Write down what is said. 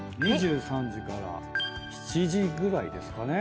２３時から７時ぐらいですかね。